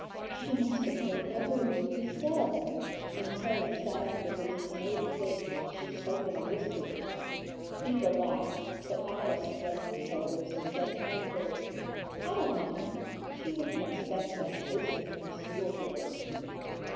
"She must have heard every word we said!" and Carrie sat up with a dismayed face as she spoke in a whisper. Eva laughed, but Alice shrugged her shoulders, and said tranquilly, "I don't mind. She wouldn't expect much wisdom from school girls."